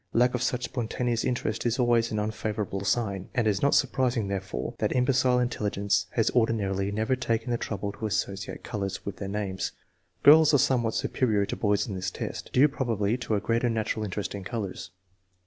Lack of such spontaneous interest is always an un favorable sign, and it is not surprising, therefore, that imbecile intelligence has ordinarily never taken the trouble to associate colors with their names. Girls are somewhat superior to boys in this test, due probably to a greater natural interest in colors.